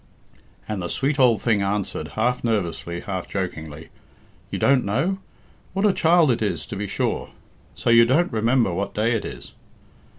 And the sweet old thing answered, half nervously, half jokingly, "You don't know? What a child it is, to be sure! So you don't remember what day it is?"